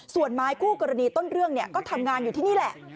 ส่วนไม้คู่กรณีต้นเรื่องก็ทำงานอยู่ที่นี่แหละ